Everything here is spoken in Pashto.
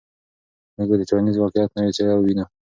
موږ به د ټولنیز واقعیت نوې څېره ووینو.